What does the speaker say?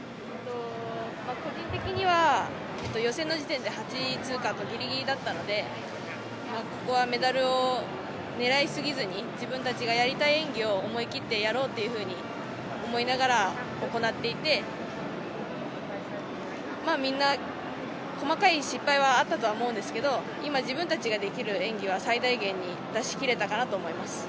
個人的には、予選の時点で８位通過とぎりぎりだったので、ここはメダルをねらい過ぎずに、自分たちがやりたい演技を思い切ってやろうというふうに思いながら、行っていて、まあ、みんな、細かい失敗はあったと思うんですけど、今、自分たちができる演技は、最大限に出しきれたかなと思います。